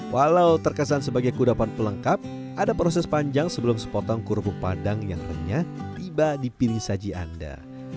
walau terkesan sebagai kudapan pelengkap ada proses panjang sebelum sepotong kerupuk padang yang renyah tiba dipilih saji anda